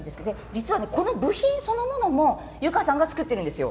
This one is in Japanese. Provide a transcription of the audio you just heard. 実はこの部品そのものも由加さんが作っているんですよ。